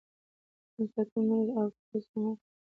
بنسټونو نورم او طلسم یې مات کړ.